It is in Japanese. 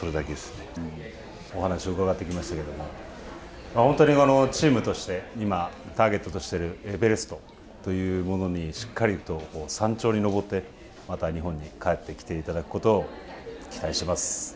お話を伺ってきましたけども本当にチームとして今、ターゲットとしているエベレストというものにしっかりと山頂に登ってまた日本に帰ってきていただくことを期待してます。